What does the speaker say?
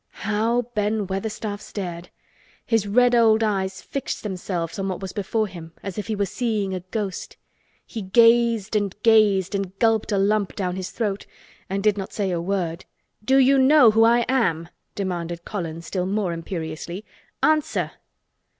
How Ben Weatherstaff stared! His red old eyes fixed themselves on what was before him as if he were seeing a ghost. He gazed and gazed and gulped a lump down his throat and did not say a word. "Do you know who I am?" demanded Colin still more imperiously. "Answer!"